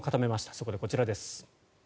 そこでこちらです。